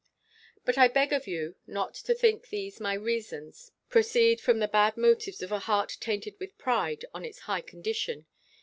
But I beg of you, not to think these my reasons proceed from the bad motives of a heart tainted with pride on its high condition.